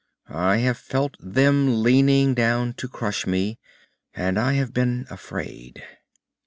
I have felt them leaning down to crush me, and I have been afraid.